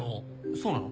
そうなの？